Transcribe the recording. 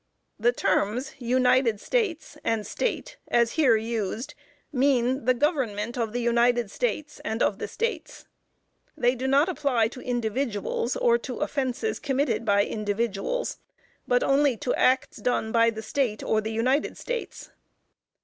'" The terms "United States" and "State," as here used, mean the government of the United States and of the States. They do not apply to individuals or to offenses committed by individuals, but only to acts done by the State or the United States.